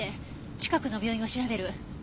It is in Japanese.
近くの病院を調べる。